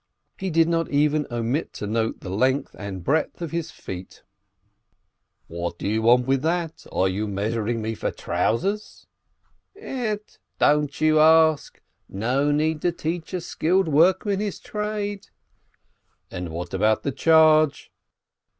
He did not even omit to note the length and breadth of his feet. YITZCHOK YOSSEL BROITGEBER 245 "What do you want with that? Are you measuring me for trousers?" "Ett, don't you ask! No need to teach a skilled workman his trade !" "And what about the charge?"